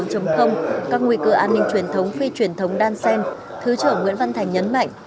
các nguy cơ an ninh truyền thống phi truyền thống đan sen thứ trưởng nguyễn văn thành nhấn mạnh